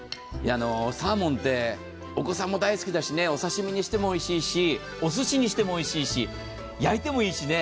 サーモンってお子さんも大好きだし、お刺身にしてもおいしいしおすしにしてもおいしいし、焼いてもいいし。